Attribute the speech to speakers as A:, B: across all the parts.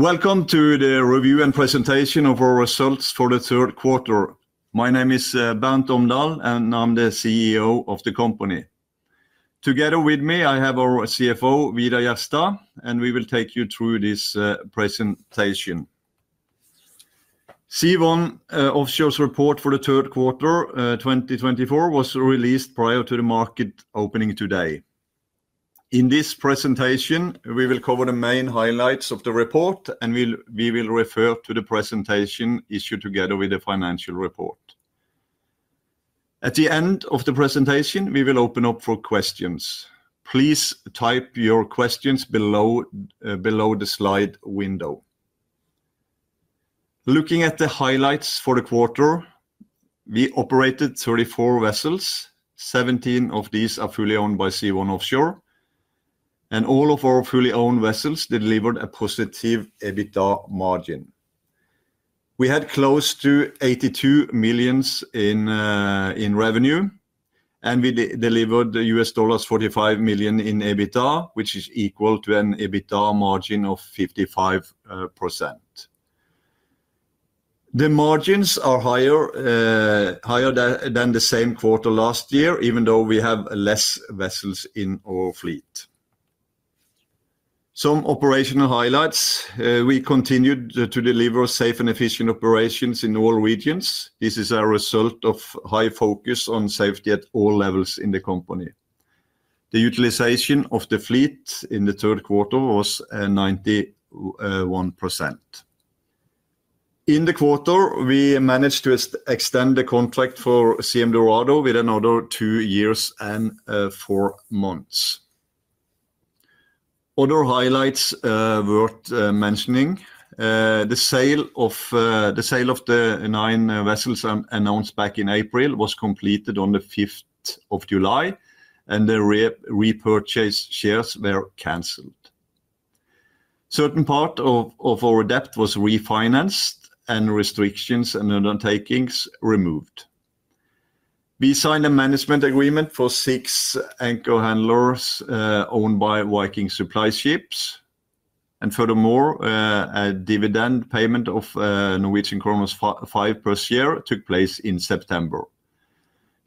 A: Welcome to the review and presentation of our results for the third quarter. My name is Bernt Omdal, and I'm the CEO of the company. Together with me, I have our CFO, Vidar Jerstad, and we will take you through this presentation. Sea1 Offshore's report for the third quarter 2024 was released prior to the market opening today. In this presentation, we will cover the main highlights of the report, and we will refer to the presentation issued together with the financial report. At the end of the presentation, we will open up for questions. Please type your questions below the slide window. Looking at the highlights for the quarter, we operated 34 vessels, 17 of these are fully owned by Sea1 Offshore, and all of our fully owned vessels delivered a positive EBITDA margin. We had close to $82 million in revenue, and we delivered $45 million in EBITDA, which is equal to an EBITDA margin of 55%. The margins are higher than the same quarter last year, even though we have less vessels in our fleet. Some operational highlights: we continued to deliver safe and efficient operations in all regions. This is a result of high focus on safety at all levels in the company. The utilization of the fleet in the third quarter was 91%. In the quarter, we managed to extend the contract for Siem Dorado with another two years and four months. Other highlights worth mentioning: the sale of the nine vessels announced back in April was completed on the 5th of July, and the repurchase shares were canceled. A certain part of our debt was refinanced and restrictions and undertakings removed. We signed a management agreement for six anchor handlers owned by Viking Supply Ships, and furthermore, a dividend payment of 5 per share took place in September.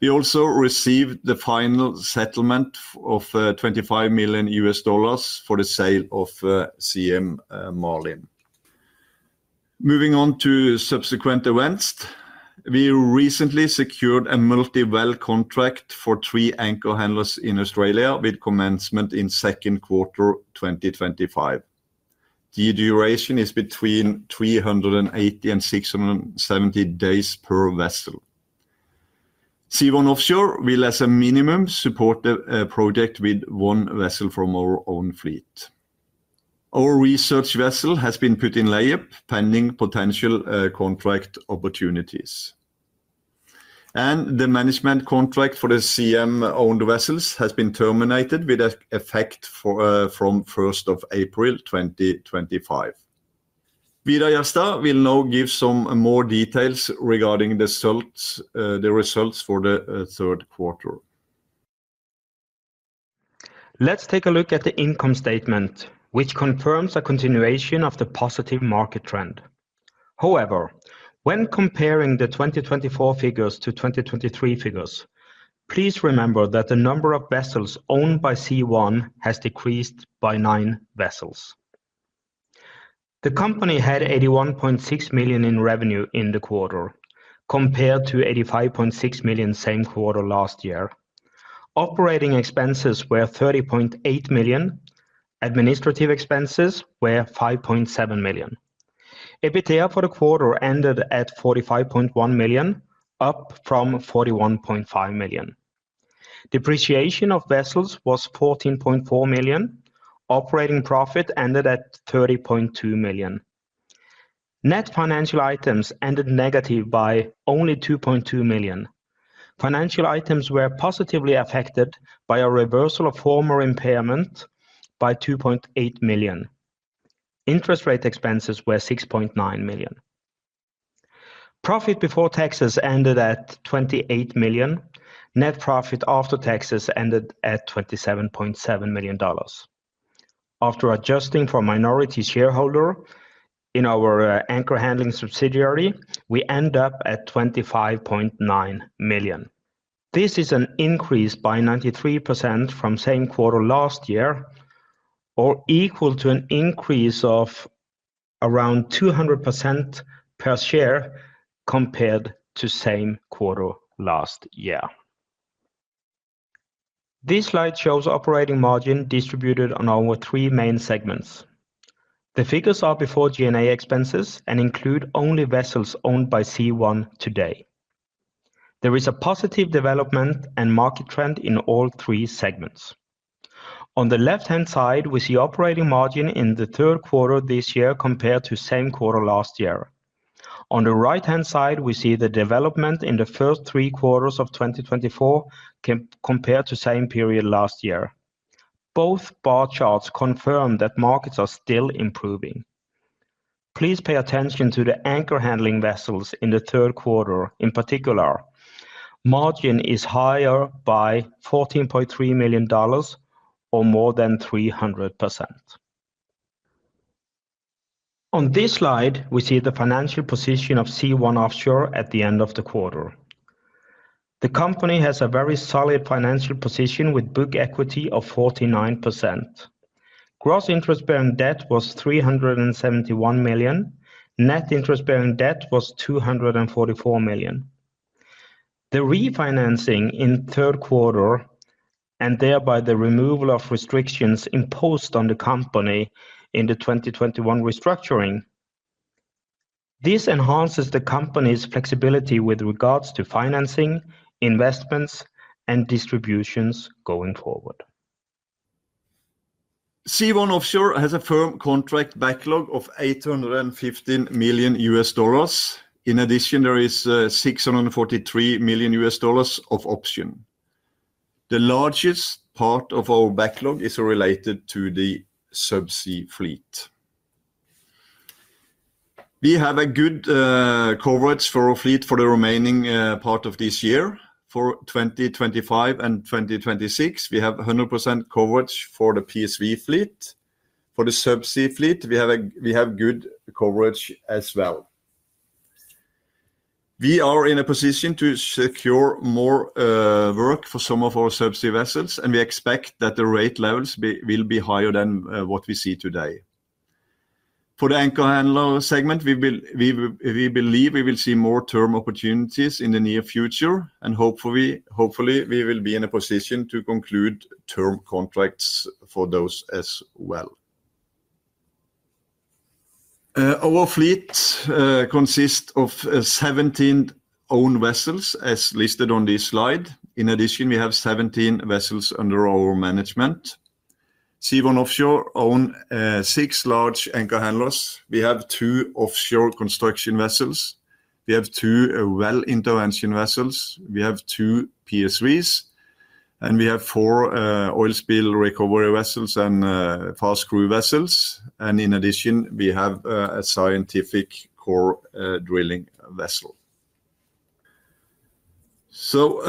A: We also received the final settlement of $25 million for the sale of Siem Marlin. Moving on to subsequent events, we recently secured a multi-well contract for three anchor handlers in Australia with commencement in second quarter 2025. The duration is between 380 days and 670 days per vessel. Sea1 Offshore will, as a minimum, support a project with one vessel from our own fleet. Our research vessel has been put in layup pending potential contract opportunities. The management contract for the Siem-owned vessels has been terminated with effect from 1st of April 2025. Vidar Jerstad will now give some more details regarding the results for the third quarter.
B: Let's take a look at the income statement, which confirms a continuation of the positive market trend. However, when comparing the 2024 figures-2023 figures, please remember that the number of vessels owned by Sea1 has decreased by nine vessels. The company had $81.6 million in revenue in the quarter, compared to $85.6 million same quarter last year. Operating expenses were $30.8 million. Administrative expenses were $5.7 million. EBITDA for the quarter ended at $45.1 million, up from $41.5 million. Depreciation of vessels was $14.4 million. Operating profit ended at $30.2 million. Net financial items ended negative by only $2.2 million. Financial items were positively affected by a reversal of former impairment by $2.8 million. Interest rate expenses were $6.9 million. Profit before taxes ended at $28 million. Net profit after taxes ended at $27.7 million. After adjusting for minority shareholder in our anchor handling subsidiary, we end up at $25.9 million. This is an increase by 93% from same quarter last year, or equal to an increase of around 200% per share compared to same quarter last year. This slide shows operating margin distributed on our three main segments. The figures are before G&A expenses and include only vessels owned by Sea1 today. There is a positive development and market trend in all three segments. On the left-hand side, we see operating margin in the third quarter this year compared to same quarter last year. On the right-hand side, we see the development in the first three quarters of 2024 compared to same period last year. Both bar charts confirm that markets are still improving. Please pay attention to the anchor handling vessels in the third quarter in particular. Margin is higher by $14.3 million or more than 300%. On this slide, we see the financial position of Sea1 Offshore at the end of the quarter. The company has a very solid financial position with book equity of 49%. Gross interest-bearing debt was $371 million. Net interest-bearing debt was $244 million. The refinancing in third quarter and thereby the removal of restrictions imposed on the company in the 2021 restructuring. This enhances the company's flexibility with regards to financing, investments, and distributions going forward.
A: Sea1 Offshore has a firm contract backlog of $815 million. In addition, there is $643 million of options. The largest part of our backlog is related to the subsea fleet. We have good coverage for our fleet for the remaining part of this year. For 2025 and 2026, we have 100% coverage for the PSV fleet. For the subsea fleet, we have good coverage as well. We are in a position to secure more work for some of our subsea vessels, and we expect that the rate levels will be higher than what we see today. For the anchor handler segment, we believe we will see more term opportunities in the near future, and hopefully, we will be in a position to conclude term contracts for those as well. Our fleet consists of 17 owned vessels as listed on this slide. In addition, we have 17 vessels under our management. Sea1 Offshore owns six large anchor handlers. We have two offshore construction vessels. We have two well intervention vessels. We have two PSVs, and we have four oil spill recovery vessels and fast crew vessels. And in addition, we have a scientific core drilling vessel. So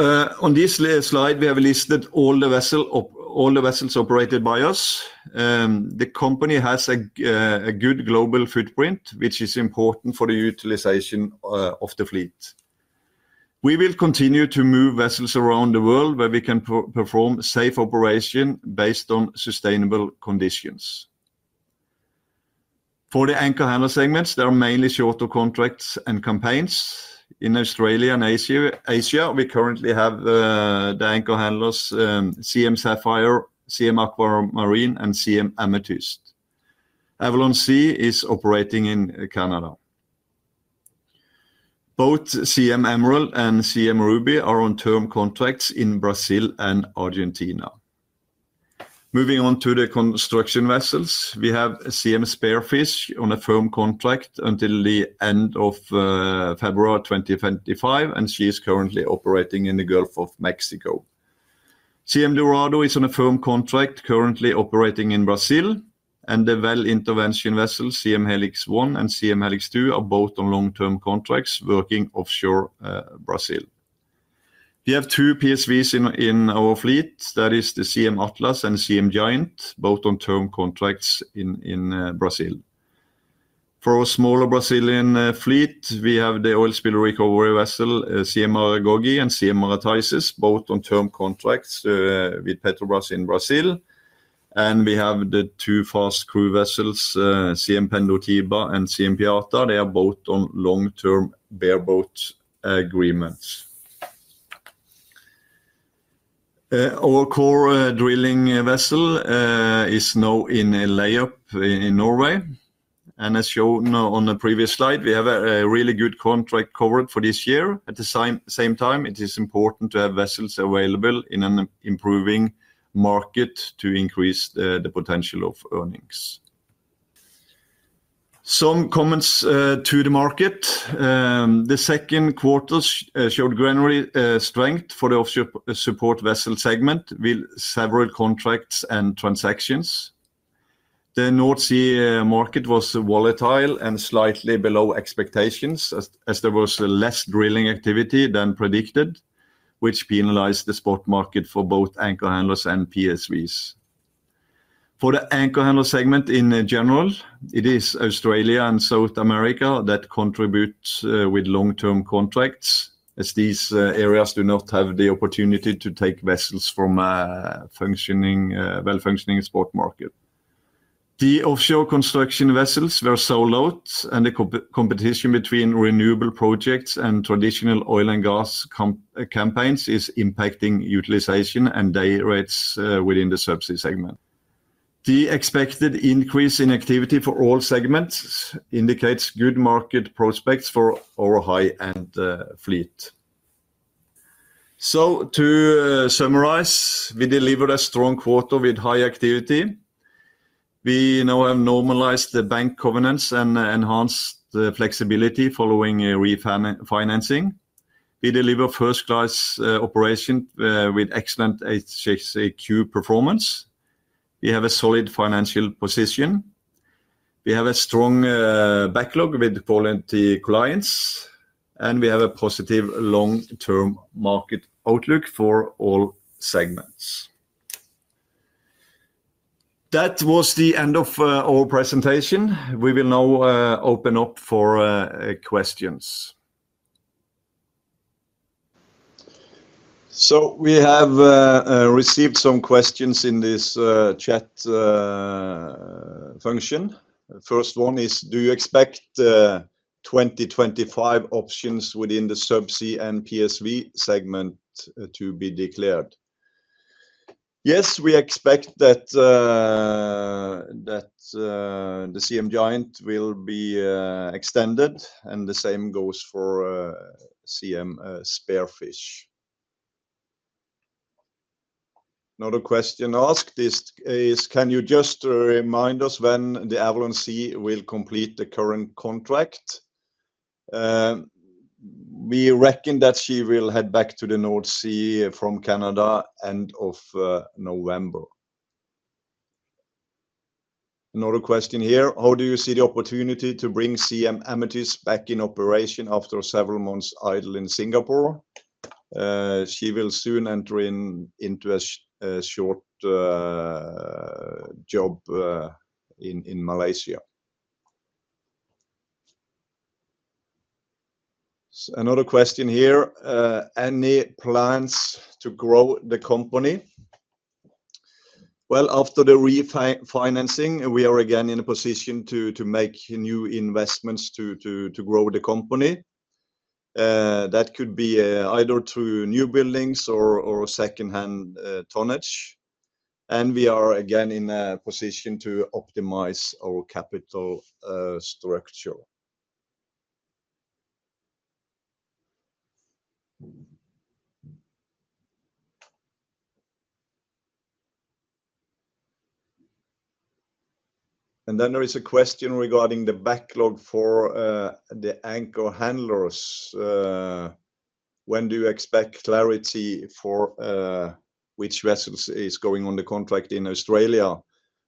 A: on this slide, we have listed all the vessels operated by us. The company has a good global footprint, which is important for the utilization of the fleet. We will continue to move vessels around the world where we can perform safe operation based on sustainable conditions. For the anchor handler segments, there are mainly shorter contracts and campaigns. In Australia and Asia, we currently have the anchor handlers Siem Sapphire, Siem Aquamarine, and Siem Amethyst. Avalon Sea is operating in Canada. Both Siem Emerald and Siem Ruby are on term contracts in Brazil and Argentina. Moving on to the construction vessels, we have Siem Spearfish on a firm contract until the end of February 2025, and she is currently operating in the Gulf of Mexico. Siem Dorado is on a firm contract currently operating in Brazil, and the well intervention vessel Siem Helix 1 and Siem Helix 2 are both on long-term contracts working offshore Brazil. We have two PSVs in our fleet. That is the Siem Atlas and Siem Giant, both on term contracts in Brazil. For a smaller Brazilian fleet, we have the oil spill recovery vessel Siem Maragogi and Siem Marataizes, both on term contracts with Petrobras in Brazil, and we have the two fast crew vessels Siem Pendotiba and Siem Piata. They are both on long-term bareboat agreements. Our core drilling vessel is now in a layup in Norway, and as shown on the previous slide, we have a really good contract covered for this year. At the same time, it is important to have vessels available in an improving market to increase the potential of earnings. Some comments to the market. The second quarter showed general strength for the offshore support vessel segment with several contracts and transactions. The North Sea market was volatile and slightly below expectations as there was less drilling activity than predicted, which penalized the spot market for both anchor handlers and PSVs. For the anchor handler segment in general, it is Australia and South America that contribute with long-term contracts as these areas do not have the opportunity to take vessels from a well-functioning spot market. The offshore construction vessels were sold out, and the competition between renewable projects and traditional oil and gas campaigns is impacting utilization and day rates within the subsea segment. The expected increase in activity for all segments indicates good market prospects for our high-end fleet. So to summarize, we delivered a strong quarter with high activity. We now have normalized the bank covenants and enhanced flexibility following refinancing. We deliver first-class operation with excellent HSEQ performance. We have a solid financial position. We have a strong backlog with quality clients, and we have a positive long-term market outlook for all segments. That was the end of our presentation. We will now open up for questions. So we have received some questions in this chat function. The first one is, do you expect 2025 options within the subsea and PSV segment to be declared? Yes, we expect that the Siem Giant will be extended, and the same goes for Siem Spearfish. Another question asked is, can you just remind us when the Avalon Sea will complete the current contract? We reckon that she will head back to the North Sea from Canada end of November. Another question here, how do you see the opportunity to bring Siem Amethyst back in operation after several months idle in Singapore? She will soon enter into a short job in Malaysia. Another question here, any plans to grow the company? Well, after the refinancing, we are again in a position to make new investments to grow the company. That could be either through newbuildings or second-hand tonnage. And we are again in a position to optimize our capital structure. And then there is a question regarding the backlog for the anchor handlers. When do you expect clarity for which vessels is going on the contract in Australia?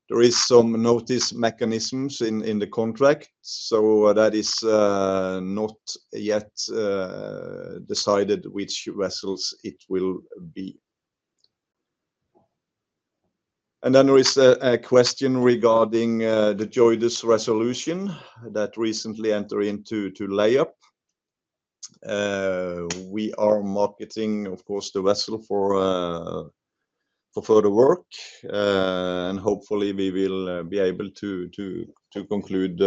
A: There are some notice mechanisms in the contract, so that is not yet decided which vessels it will be. And then there is a question regarding the JOIDES Resolution that recently entered into layup. We are marketing, of course, the vessel for further work, and hopefully we will be able to conclude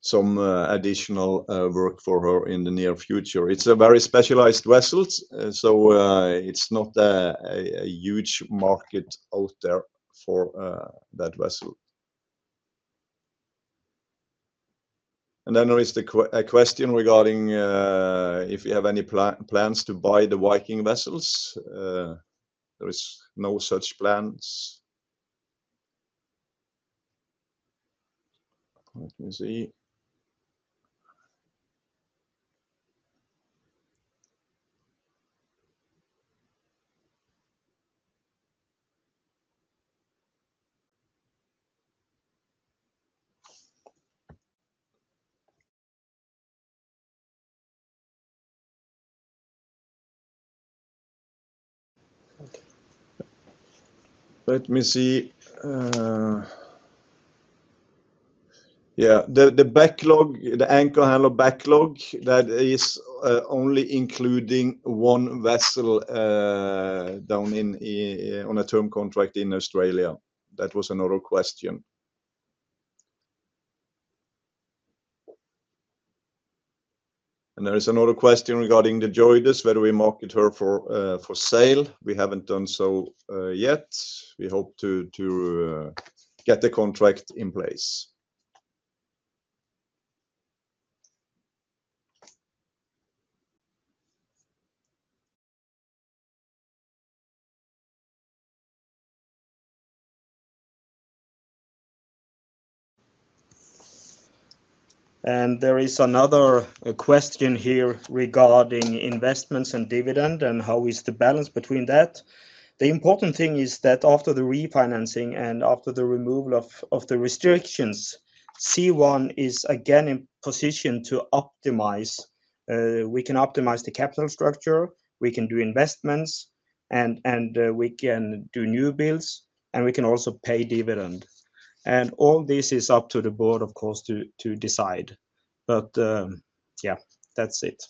A: some additional work for her in the near future. It's a very specialized vessel, so it's not a huge market out there for that vessel. And then there is a question regarding if we have any plans to buy the Viking vessels. There are no such plans. Let me see. Let me see. Yeah, the backlog, the anchor handler backlog, that is only including one vessel down on a term contract in Australia. That was another question. There is another question regarding the JOIDES, whether we market her for sale. We haven't done so yet. We hope to get the contract in place.
B: There is another question here regarding investments and dividend and how is the balance between that. The important thing is that after the refinancing and after the removal of the restrictions, Sea1 is again in position to optimize. We can optimize the capital structure, we can do investments, and we can do newbuilds, and we can also pay dividend. All this is up to the board, of course, to decide. But yeah, that's it.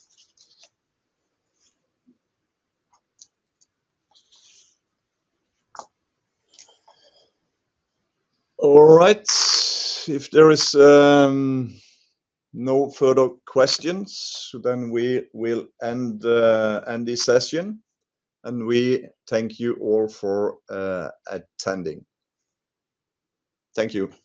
A: All right. If there are no further questions, then we will end this session, and we thank you all for attending. Thank you.